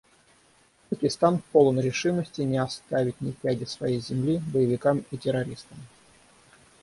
Пакистан полон решимости не оставить ни пяди своей земли боевикам и террористам.